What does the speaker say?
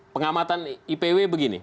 pengamatan ipw begini